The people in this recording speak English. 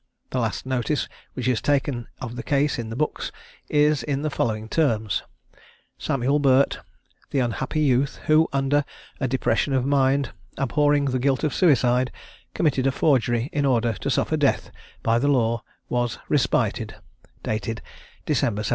The last notice which is taken of the case in the books is in the following terms: "Samuel Burt, the unhappy youth who, under a depression of mind, abhorring the guilt of suicide, committed a forgery in order to suffer death by the law, was respited;" dated December, 1787.